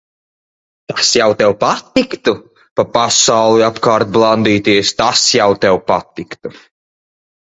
Tas jau tev patiktu. Pa pasauli apkārt blandīties, tas jau tev patiktu.